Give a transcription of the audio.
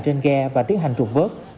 trên ghe và tiến hành trụng vớt